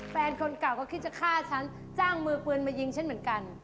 แฟนคนเก่าก็คิดจะฆ่าฉันจ้างมือปืนมายิงฉันเหมือนกัน